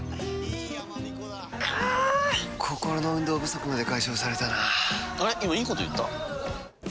心の運動不足まで解消されたあれ、今いいこと言った？